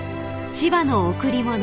［『千葉の贈り物』］